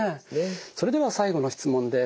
それでは最後の質問です。